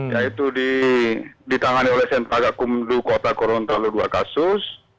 yaitu ditangani oleh sentra kak gundu kota korontalo dua kasus